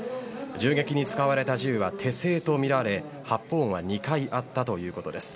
銃撃に使われた銃は手製とみられ発砲音は２回あったということです。